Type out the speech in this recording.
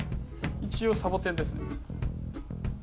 一応サボテンですね。